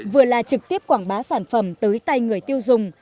vừa là trực tiếp quảng bá sản phẩm tới tay người tiêu dùng